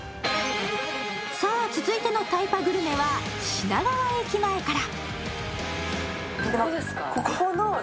さあ続いてのタイパグルメは品川駅前から。